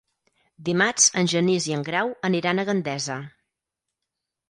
Dimarts en Genís i en Grau aniran a Gandesa.